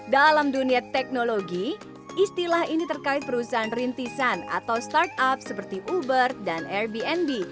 dalam dunia teknologi istilah ini terkait perusahaan rintisan atau startup seperti uber dan airbnb